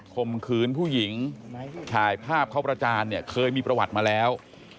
มขืนผู้หญิงถ่ายภาพเขาประจานเนี่ยเคยมีประวัติมาแล้ว